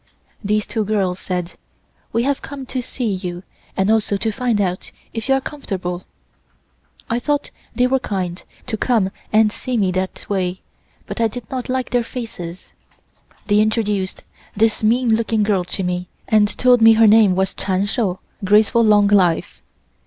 These two girls said: "We have come to see you and also to find out if you are comfortable." I thought they were kind to come and see me that way, but I did not like their faces. They introduced this mean looking girl to me and told me her name was Chun Shou (Graceful Long Life).